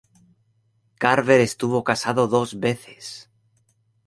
Carver estuvo casado dos veces.